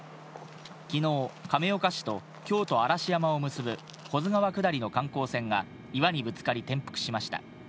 昨日、亀岡市と京都・嵐山を結ぶ、保津川下りの観光船が岩にぶつかり転覆しました。